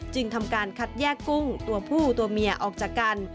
จึงทำการคัดแยกกุ้งตัวผู้ตัวเมียออกจากกัน